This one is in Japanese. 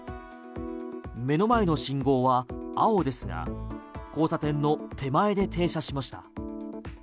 目の前の信号は青ですが交差点の手前で停車しました。